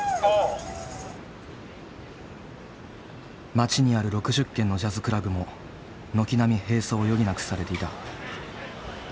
街にある６０軒のジャズクラブも軒並み閉鎖を余儀なくされていた。